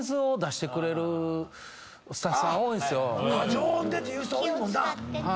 常温でっていう人多いもんな。